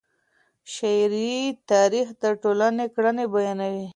شعري تاریخ د ټولني کړنې بیانوي.